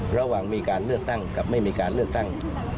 ระหว่างมีการเลือกตั้งกับไม่มีการเลือกตั้ง